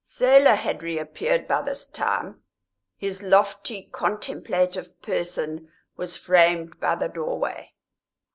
Selah had reappeared by this time; his lofty, contemplative person was framed by the doorway.